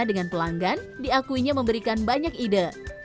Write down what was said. dengan pelanggan diakuinya memberikan banyak ide